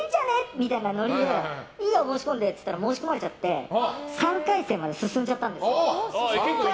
みたいなノリでいいよ、申し込んでって言ったら申し込まれちゃって３回戦まで進んじゃったんですよ。